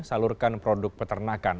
salurkan produk peternakan